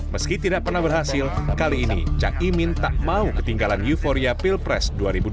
meski tidak pernah berhasil kali ini cak imin tak mau ketinggalan euforia pilpres dua ribu dua puluh